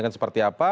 akan seperti apa